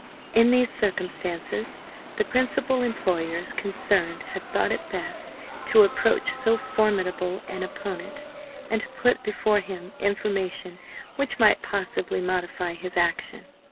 In these circumstances, the principal employers concerned had thought it best to approach so formidable an opponent and to put before him information which might possibly modify his action.